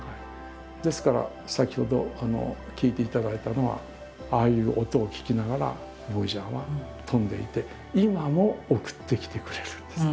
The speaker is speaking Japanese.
ですから先ほど聴いていただいたのはああいう音を聴きながらボイジャーは飛んでいて今も送ってきてくれるんです。